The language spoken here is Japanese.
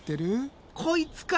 こいつか！